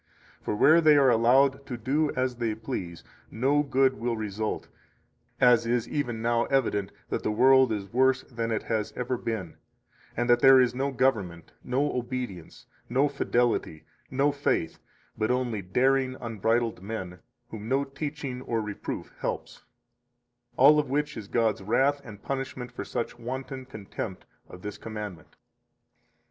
For where they are allowed to do as they please, no good will result, as is even now evident that the world is worse than it has ever been, and that there is no government, no obedience, no fidelity, no faith, but only daring, unbridled men, whom no teaching or reproof helps; all of which is God's wrath and punishment for such wanton contempt of this commandment.